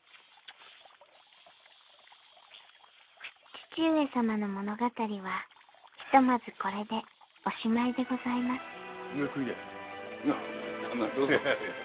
義父上様の物語はひとまずこれでおしまいでございますお前食いなよ。